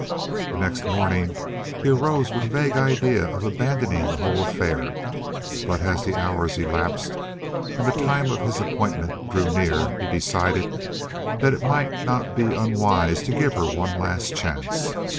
The next morning he arose with a vague idea of abandoning the whole affair, but as the hours elapsed and the time of his appointment drew near he decided that it might not be unwise to give her one last chance.